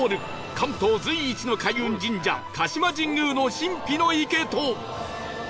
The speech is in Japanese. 関東随一の開運神社鹿島神宮の神秘の池と